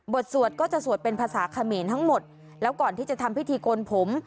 สวดก็จะสวดเป็นภาษาเขมรทั้งหมดแล้วก่อนที่จะทำพิธีโกนผม